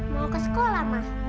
mau ke sekolah ma